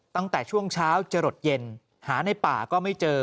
ตั้งแต่ช่วงเช้าจะหลดเย็นหาในป่าก็ไม่เจอ